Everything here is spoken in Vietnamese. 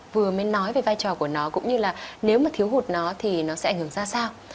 vừa mới nói về vai trò của nó cũng như là nếu mà thiếu hụt nó thì nó sẽ ảnh hưởng ra sao